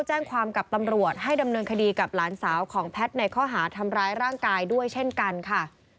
แจ้งความกับตำรวจให้ดำเนินคดีกับหลานสาวของแพทย์ในข้อหาทำร้ายร่างกายด้วยเช่นกันค่ะ